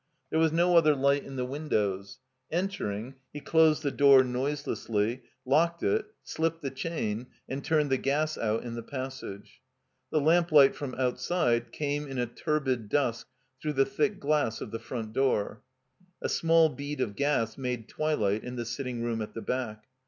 There was no other light in the winjiows. Entering, he closed the door noiselessly, 374 THE COMBINED MAZE locked it, slipped the chain, and turned the gas out in the passage. The lamplight from outside came in a tiirbid dusk through the thick glass of the front door. A small bead of gas made twilight in the sitting room at the back.